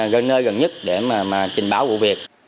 gần nơi gần nhất để trình báo vụ việc